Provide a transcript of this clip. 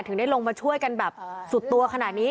ถึงได้ลงมาช่วยกันแบบสุดตัวขนาดนี้